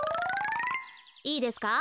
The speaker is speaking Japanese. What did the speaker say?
いいですか？